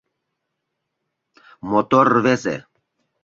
Мотор рвезе.